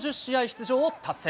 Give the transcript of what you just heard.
出場を達成。